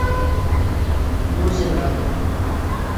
Мурзинға ул: